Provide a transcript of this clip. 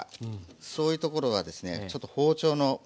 そういうところはですねちょっと包丁の。